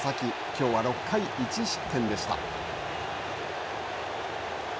きょうは６回１失点でした。